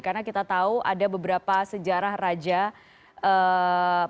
karena kita tahu ada beberapa sejarah raja pemimpin